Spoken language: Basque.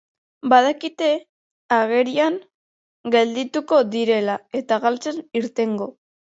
Badakite agerian geldituko direla eta galtzen irtengo.